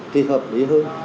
thì hợp lý hơn